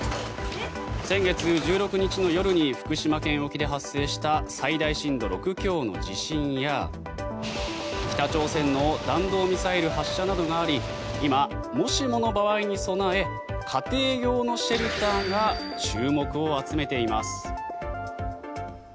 先月１６日の夜に福島県沖で発生した最大震度６強の地震や北朝鮮の弾道ミサイル発射などがあり今、もしもの場合に備え家庭用のシェルターが注目を集めています。